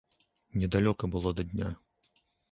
Недалёка было да дня.